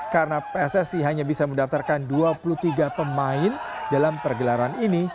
karena pssi hanya bisa mendaftarkan dua puluh tiga pemain dalam pergelaran ini